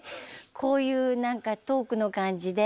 こういう何かトークの感じで。